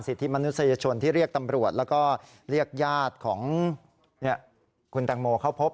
สิทธิมนุษยชนที่เรียกตำรวจแล้วก็เรียกญาติของคุณแตงโมเข้าพบ